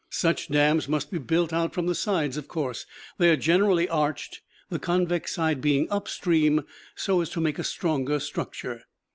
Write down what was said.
Such dams must be built out from the sides, of course. They are generally arched, the convex side being up stream so as to make a stronger structure.